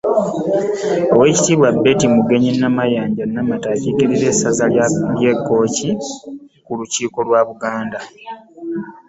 Oweekitiibwa Betty Mugenyi Mayanja Namata akiikirira essaza ly'e Kkooki ku lukiiko lwa Buganda.